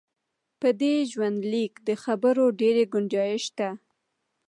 په دې ژوندلیک د خبرو ډېر ګنجایش شته.